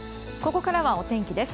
ここからはお天気です。